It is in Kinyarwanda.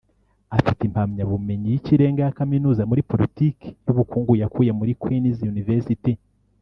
Afite impamyabumenyi y’ikirenga ya Kaminuza muri politiki y’ubukungu yakuye muri Queen’s University